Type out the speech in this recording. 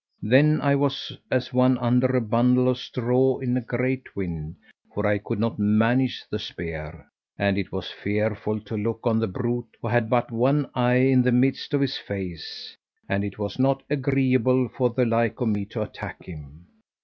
Then I was as one under a bundle of straw in a great wind for I could not manage the spear. And it was fearful to look on the brute, who had but one eye in the midst of his face; and it was not agreeable for the like of me to attack him.